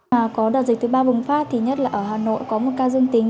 mà có đợt dịch thứ ba bùng phát thì nhất là ở hà nội có một ca dương tính